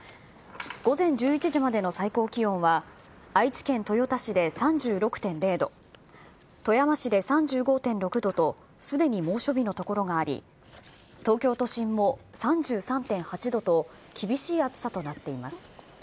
午前１１時までの最高気温は、愛知県豊田市で３６．０度、富山市で３５．６度と、すでに猛暑日の所があり、東京都心も３３．８度と厳しい暑さとなっています。